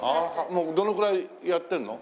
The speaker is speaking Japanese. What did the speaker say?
もうどのくらいやってるの？